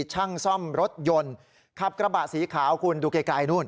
ช่างซ่อมรถยนต์ขับกระบะสีขาวคุณดูไกลนู่น